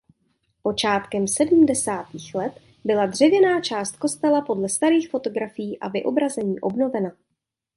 Počátkem sedmdesátých let byla dřevěná část kostela podle starých fotografií a vyobrazení obnovena.